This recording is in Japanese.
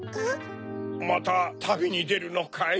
またたびにでるのかい？